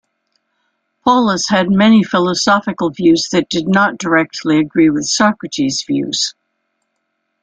Polus had many philosophical views that did not directly agree with Socrates views.